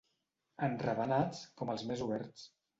Enravenats com els més oberts.